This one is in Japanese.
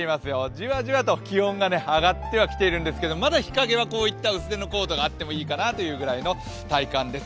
じわじわと気温が上がってはきてるんですけどまだ日陰はこういった薄手の上着があるといいかなという感じです。